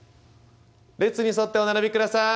列に沿ってお並びください。